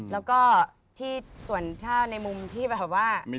แล้วก็ที่ส่วนถ้าในมุมที่แบบว่า